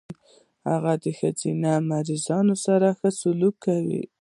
هغه د ښځينه مريضانو سره ښه سلوک کوي.